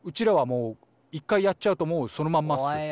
らはもう一回やっちゃうともうそのまんまっす。